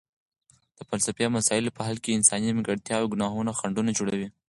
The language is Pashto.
د فلسفي مسایلو په حل کې انساني نیمګړتیاوې او ګناهونه خنډونه جوړوي.